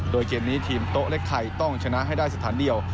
โดยเกมนี้ทีมโต๊ะเล็กไทยต้องชนะให้ได้สถานเดียว